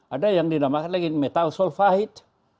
ada yang dinamakan lagi metal solvahid